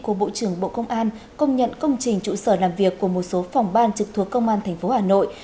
của bộ trưởng bộ công an công nhận công trình trụ sở làm việc của một số phòng ban trực thuộc công an tp hà nội